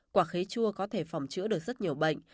quả khế chua có thể phòng chữa được rất nhiều bệnh